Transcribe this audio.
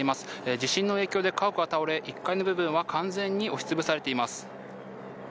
地震の影響で家屋は倒れ１階の部分は完全に押し潰されています。